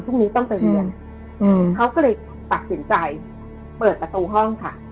พรุ่งนี้ต้องไปเรียนเขาก็เลยตัดสินใจเปิดประตูห้องค่ะ